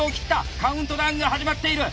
カウントダウンが始まっている。